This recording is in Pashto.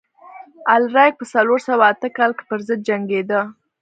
الاریک په څلور سوه اته کال کې پرضد جنګېده.